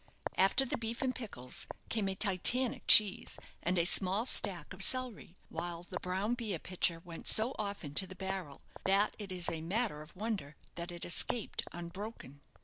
After the beef and pickles came a Titanic cheese and a small stack of celery; while the brown beer pitcher went so often to the barrel that it is a matter of wonder that it escaped unbroken.